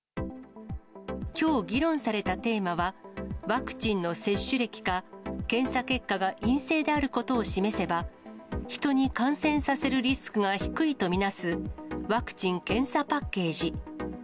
きょう議論されたテーマは、ワクチンの接種歴か、検査結果が陰性であることを示せば、人に感染させるリスクが低いと見なす、ワクチン・検査パッケージ。